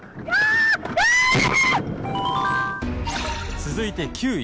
続いて９位。